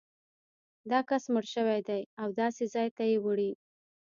دا کس مړ شوی دی او داسې ځای ته یې وړي.